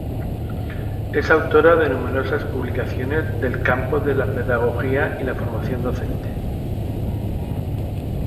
Es autora de numerosas publicaciones del campo de la pedagogía y la formación docente.